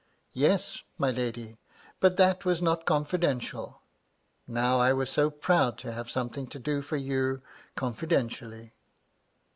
"Yes, my lady; but that was not confidential. Now I was so proud to have something to do for you confidentially."